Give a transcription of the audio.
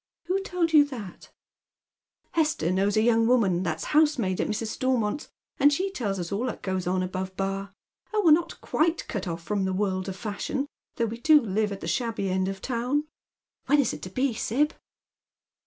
" Who told you that ?"" Hester knows a young woman that's housemaid at Mrs. Stormont's, and she tells us all that goes on Above Bar. Oli, we're not quite cut off from the world of fashion, though we do live at the shabby end of the town. When is it to be, Sib